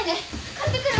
買ってくる！